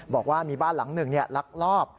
บอกว่ามีบ้านหลังหนึ่งลักลอบ